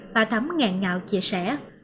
bà thắm ngàn ngào chia sẻ